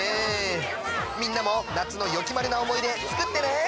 みんなも夏のよきまるなおもいでつくってね！